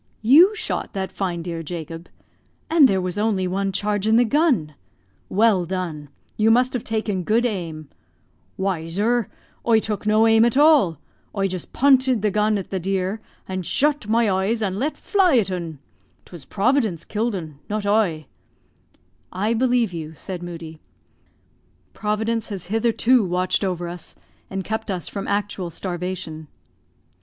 "You shot that fine deer, Jacob? and there was only one charge in the gun! Well done; you must have taken good aim." "Why, zur, oie took no aim at all. Oie just pointed the gun at the deer, and zhut my oeys an let fly at 'un. 'Twas Providence kill'd 'un, not oie." "I believe you," said Moodie; "Providence has hitherto watched over us and kept us from actual starvation."